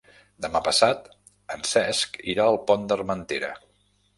Demà passat en Cesc irà al Pont d'Armentera.